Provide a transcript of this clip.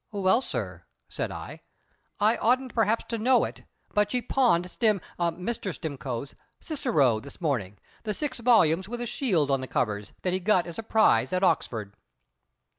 "Well, sir," said I, "I oughtn't perhaps to know it, but she pawned Stim Mr. Stimcoe's Cicero this morning, the six volumes with a shield on the covers, that he got as a prize at Oxford."